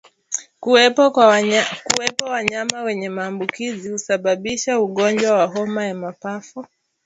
Kuwepo wanyama wenye maambukizi husababisha ugonjwa wa homa ya mapafu